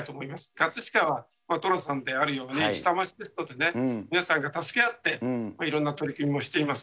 葛飾は寅さんであるように、下町ですので、皆さんが助け合っていろんな取り組みもしています。